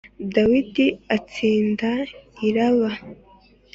Dawidi atsinda i Raba